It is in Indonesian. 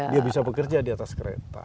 dia bisa bekerja di atas kereta